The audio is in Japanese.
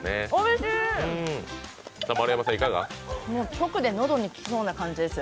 直で喉にきそうな感じです。